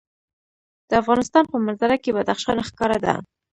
د افغانستان په منظره کې بدخشان ښکاره ده.